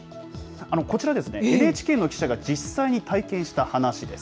こちら、ＮＨＫの記者が実際に体験した話です。